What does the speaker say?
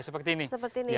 seperti ini pak ya